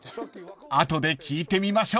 ［後で聞いてみましょう］